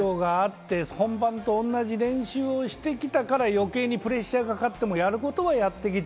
本番と同じ練習をしてきたから、プレッシャーがかかってもやることはやってきた。